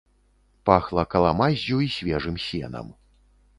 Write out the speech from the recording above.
Пахла каламаззю і свежым сенам.